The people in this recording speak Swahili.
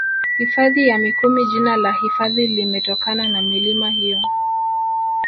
Hifadhi ya Mikumi jina la hifadhi limetokana na milima hiyo